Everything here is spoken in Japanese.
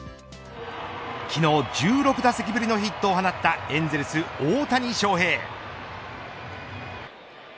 昨日１６打席ぶりのヒットを放ったエンゼルス、大谷翔平。